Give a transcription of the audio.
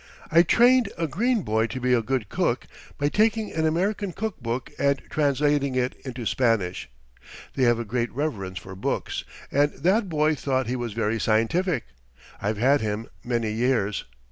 I trained a green boy to be a good cook by taking an American cook book and translating it into Spanish. They have a great reverence for books, and that boy thought he was very scientific. I've had him many years.